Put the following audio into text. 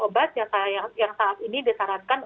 obat yang saat ini disarankan